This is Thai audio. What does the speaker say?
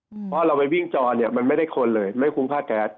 เพราะว่าเราไปวิ่งจอมันไม่ได้คนเลยไม่คุ้มพลาดแท็ก